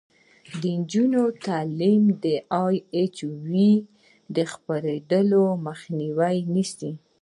د نجونو تعلیم د اچ آی وي خپریدو مخه نیسي.